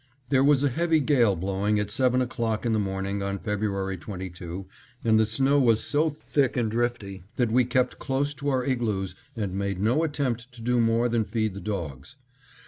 There was a heavy gale blowing at seven o'clock in the morning, on February 22, and the snow was so thick and drifty that we kept close to our igloos and made no attempt to do more than feed the dogs.